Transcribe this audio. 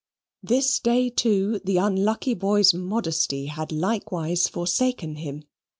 This day too the unlucky boy's modesty had likewise forsaken him.